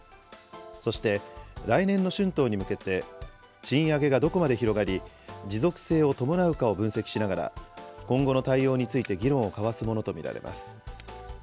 そして来年の春闘に向けて、賃上げがどこまで広がり、持続性を伴うかを分析しながら、今後の対応について議論を交わすものと見られます。